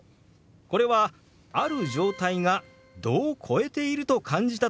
これはある状態が度を超えていると感じた時に使える表現なんです。